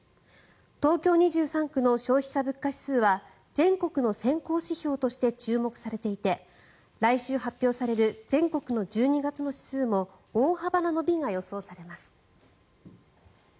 東京２３区の消費者物価指数は全国の先行指標として注目されていて来週発表される全国の１２月の指数も大幅な伸びが予想されます。